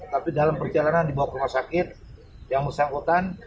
tapi dalam perjalanan dibawa ke rumah sakit yang bersangkutan